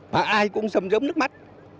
và ai cũng giấm giấm nước mắt